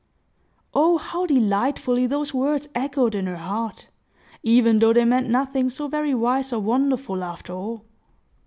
Oh how delightfully those words echoed in her heart, even though they meant nothing so very wise or wonderful, after all!